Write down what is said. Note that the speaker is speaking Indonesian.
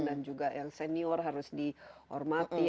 dan juga yang senior harus dihormati